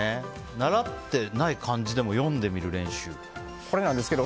習ってない漢字でも読んでみる練習。